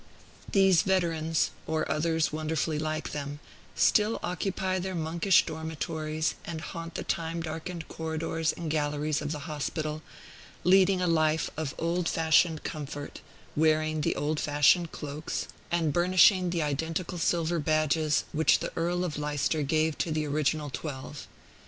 These veterans, or others wonderfully like them, still occupy their monkish dormitories and haunt the time darkened corridors and galleries of the hospital, leading a life of old fashioned comfort, wearing the old fashioned cloaks, and burnishing the identical silver badges which the Earl of Leicester gave to the original twelve.